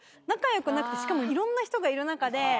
仲良くなくてしかもいろんな人がいる中で。